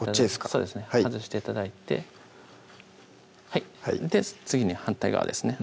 そうですね外して頂いて次に反対側ですね